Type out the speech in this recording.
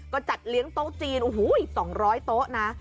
ก็จัดเลี้ยงโต๊ะจีนโอ้โห๒๐๐โต๊ะนะ